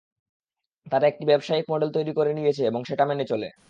তারা একটি ব্যবসায়িক মডেল তৈরি করে নিয়েছে এবং সেটা মেনে চলে।